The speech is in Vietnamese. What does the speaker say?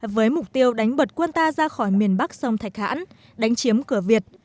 với mục tiêu đánh bật quân ta ra khỏi miền bắc sông thạch hãn đánh chiếm cửa việt